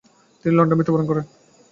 তিনি লন্ডনে মৃত্যুবরণ করেন।